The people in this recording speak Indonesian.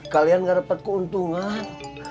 kalian gak dapet keuntungan